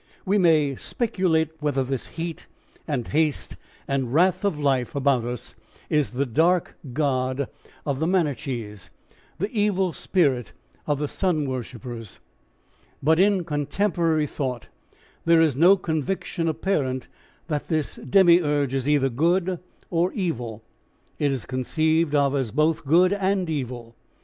We may speculate whether this heat and haste and wrath of life about us is the Dark God of the Manichees, the evil spirit of the sun worshippers. But in contemporary thought there is no conviction apparent that this Demiurge is either good or evil; it is conceived of as both good and evil.